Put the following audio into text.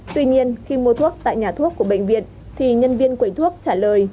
tuy nhiên khi mua thuốc tại nhà thuốc của bệnh viện thì nhân viên quầy thuốc trả lời